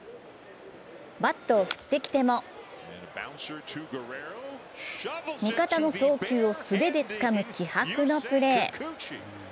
バットを振ってきても味方の送球を素手でつかむ気迫のプレー。